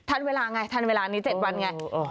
ทันเวลาไงทันเวลานี้๗วันไง